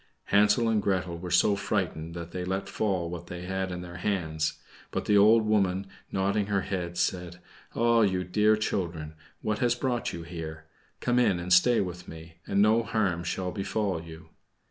Hansel and Gretel were so frightened that they let fall what they had in their hands; but the old woman, nodding her head, said, "Ah, you dear children, what has brought you here? Come in and stay with me, and no harm shall befall you."